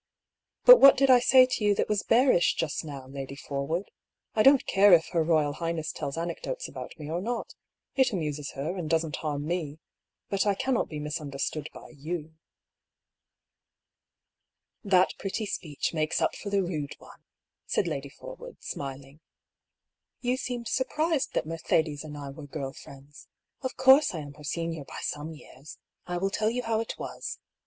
But what did I say to you that was bearish just now, Lady Forwood? I don't care if her Koyal Highness tells anecdotes about me or not — it amuses her, and doesn't harm me. But I cannot be misunderstood by yow." " That pretty speech makes up for the rude one," said Lady Forwood, smiling. " You seemed surprised that Mercedes and I were girl friends. Of course I am her senior by some years. I will tell you how it was.